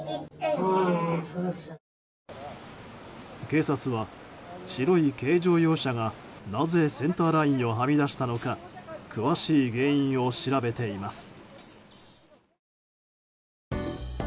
警察は白い軽乗用車がなぜセンターラインをはみ出したのか詳しい原因を調べています。